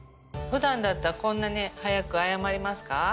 ふだんだったらこんなに早く謝りますか？